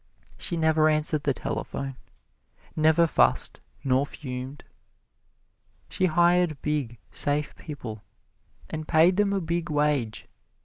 She never answered the telephone, never fussed nor fumed. She hired big, safe people and paid them a big wage.